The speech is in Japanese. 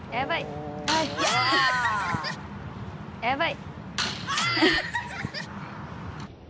やばい。